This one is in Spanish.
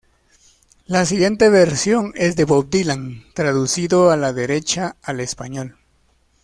La siguiente versión es de Bob Dylan, traducido a la derecha al español.